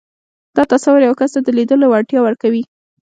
دا تصور يو کس ته د ليدلو وړتيا ورکوي.